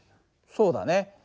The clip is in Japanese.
そうだね。